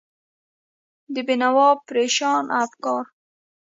د بېنوا پرېشانه افکار